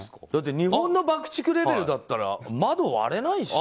日本の爆竹レベルだったら窓、割れないでしょ。